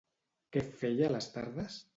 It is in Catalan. Què feia a les tardes?